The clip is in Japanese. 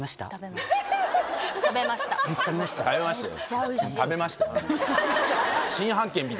食べました。